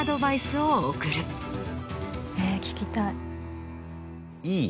えっ聞きたい。